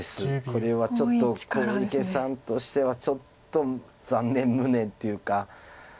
これはちょっと小池さんとしてはちょっと残念無念っていうか。